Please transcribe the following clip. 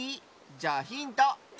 じゃあヒント！